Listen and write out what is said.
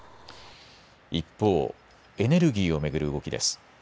一方、エネルギーを巡る動きです。